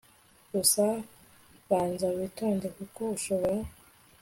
gusa banza witonde kuko ushobora